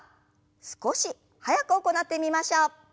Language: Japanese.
少し速く行ってみましょう。